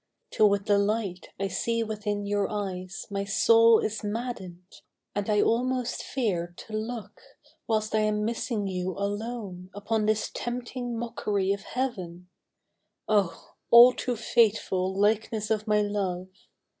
Till with the light I see within your eyes My soul is madden'd, and I almost fear To look, whilst I am missing you alone, Upon this tempting mockery of Heaven ! Oh ! all too faithful likeness of my love